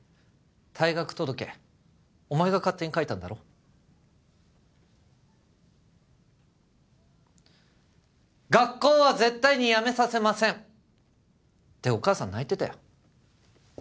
退学届お前が勝手に書いたんだろ学校は絶対にやめさせませんってお母さん泣いてたよ